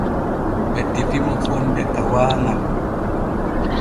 Ɓe tefi mo fonde tawaaŋal.